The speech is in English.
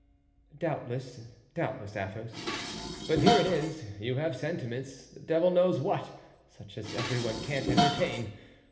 "Doubtless, doubtless, Athos. But here it is: you have sentiments, the devil knows what, such as every one can't entertain.